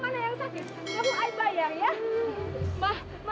liat ga raka